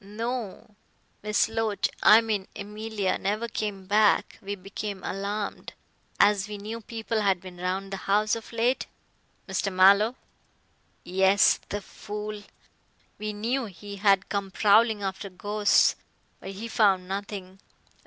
"No. Miss Loach I mean Emilia never came back. We became alarmed, as we knew people had been round the house of late " "Mr. Mallow " "Yes, the fool. We knew he had come prowling after ghosts. But he found nothing.